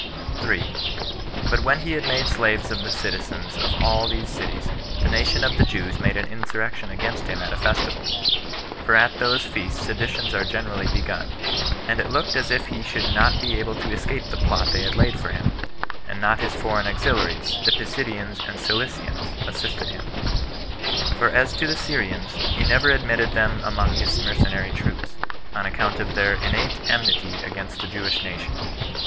3. But when he had made slaves of the citizens of all these cities, the nation of the Jews made an insurrection against him at a festival; for at those feasts seditions are generally begun; and it looked as if he should not be able to escape the plot they had laid for him, had not his foreign auxiliaries, the Pisidians and Cilicians, assisted him; for as to the Syrians, he never admitted them among his mercenary troops, on account of their innate enmity against the Jewish nation.